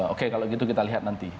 oke kalau gitu kita lihat nanti